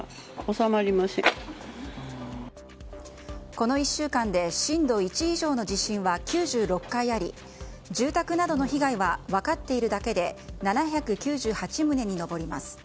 この１週間で震度１以上の地震は９６回あり住宅などの被害は分かっているだけで７９８棟に上ります。